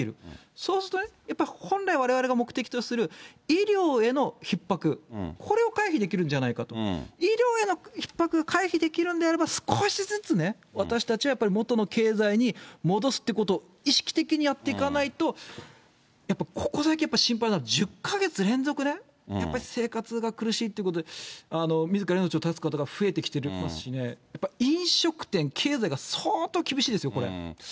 そうするとね、やっぱり本来われわれが目的とする、医療へのひっ迫、これを回避できるんじゃないかと、医療へのひっ迫を回避できるんであれば、少しずつね、私たちはやっぱり元の経済に戻すっていうことを、意識的にやってかないと、やっぱりここだけ心配なのは、１０か月連続で、やっぱり生活が苦しいっていうことで、みずからの命を絶つ方が増えてきている人もいますしね、やっぱり飲食店、経済が相当厳しいですよ、これ。